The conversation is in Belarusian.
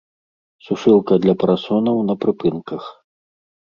Сушылка для парасонаў на прыпынках.